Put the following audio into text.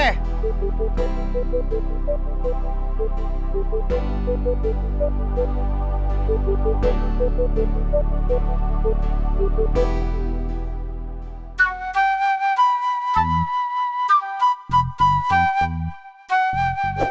sampai jumpa lagi